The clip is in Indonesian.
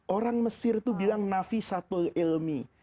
orang mesir itu bilang nafisatul ilmi